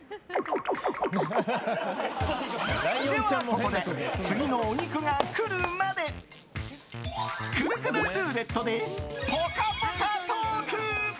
では、ここで次のお肉が来るまでくるくるルーレットでぽかぽかトーク。